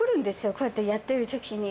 こうやってやってる時に。